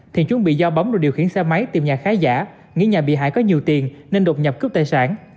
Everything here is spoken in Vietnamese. thiện chuẩn bị do bóng đồ điều khiển xe máy tìm nhà khá giả nghĩ nhà bị hại có nhiều tiền nên đột nhập cướp tài sản